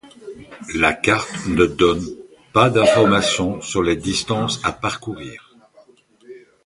La carte ne donne pas d'informations sur les distances à parcourir.